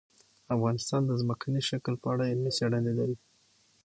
افغانستان د ځمکنی شکل په اړه علمي څېړنې لري.